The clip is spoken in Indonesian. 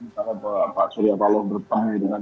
dan pak surya paloh bertemu dengan